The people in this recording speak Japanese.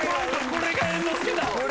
これが猿之助だ！